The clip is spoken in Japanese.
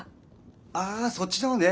ああそっちの方ね